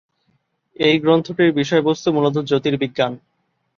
এই গ্রন্থটির বিষয়বস্তু মূলত জ্যোতির্বিজ্ঞান।